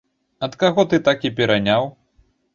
Ад каго ты так і пераняў?!